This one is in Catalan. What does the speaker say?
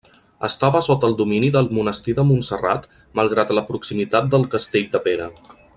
Estava sota el domini del monestir de Montserrat malgrat la proximitat del castell de Pera.